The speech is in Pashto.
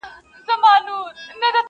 خلك ستړي جگړه خلاصه كراري سوه -